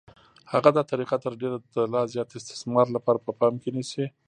هغه دا طریقه تر ډېره د لا زیات استثمار لپاره په پام کې نیسي